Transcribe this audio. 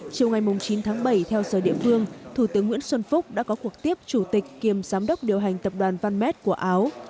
chiều ngày chín tháng bảy theo sở địa phương thủ tướng nguyễn xuân phúc đã có cuộc tiếp chủ tịch kiềm giám đốc điều hành tập đoàn vamed của áo